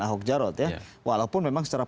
ahok jarot ya walaupun memang secara